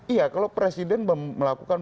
iya kalau presiden melakukan